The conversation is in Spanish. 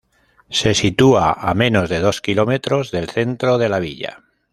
Se sitúa a menos de dos kilómetros del centro de la villa.